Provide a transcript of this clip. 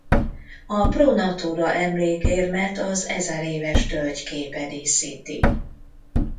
A Pro Natura emlékérmet az ezeréves tölgy képe díszíti.